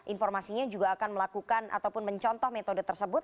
informasinya juga akan melakukan ataupun mencontoh metode tersebut